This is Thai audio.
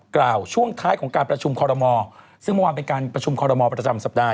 กราวช่วงคล้ายของการประชุมขอรมซึ่งเมื่อวานเป็นอาจจะประชุมขอรมประจำสัปดาห์